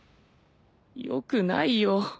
よくないよ。